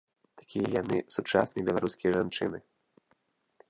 Такія яны, сучасныя беларускія жанчыны.